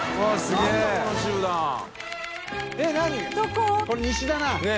これ西だな。